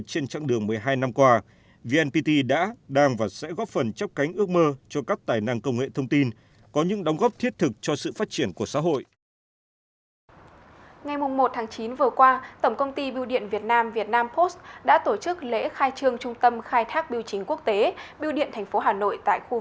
trung tâm khai thác biêu chính quốc tế tại khu vực sân bay nội bài